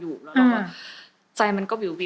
อยู่แล้วก็ใจมันก็บิวบิว